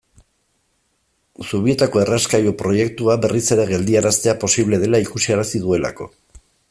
Zubietako errauskailu proiektua berriz ere geldiaraztea posible dela ikusarazi duelako.